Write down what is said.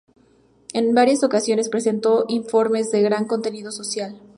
En varias ocasiones presentó informes de gran contenido social.